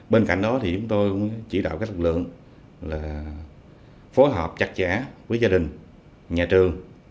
bên cạnh đó thì chúng tôi chỉ đạo các lực lượng phối hợp chặt chả với gia đình nhà trường